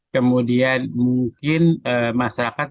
kemudian mungkin masyarakat